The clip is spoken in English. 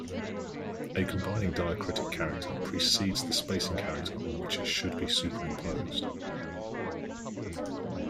A combining diacritic character precedes the spacing character on which it should be superimposed.